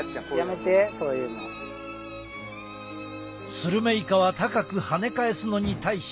スルメイカは高くはね返すのに対し。